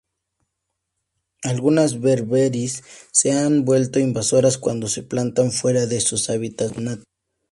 Algunas "Berberis" se han vuelto invasoras cuando se plantan fuera de sus hábitats nativos.